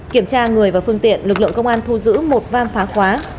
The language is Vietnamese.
kiểm tra người và phương tiện lực lượng công an thu giữ một vam phá khóa